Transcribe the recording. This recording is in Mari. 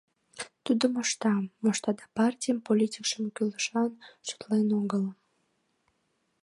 Тудо мошта, мошта да партийын политикшым кӱлешлан шотлен огыл...